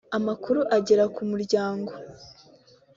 Amakuru agera k’umuryango